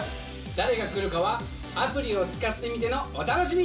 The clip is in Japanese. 誰が来るかは、アプリを使ってみてのお楽しみ。